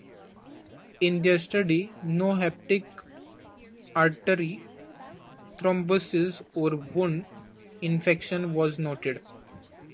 In their study, no hepatic artery thrombosis or wound infection was noted.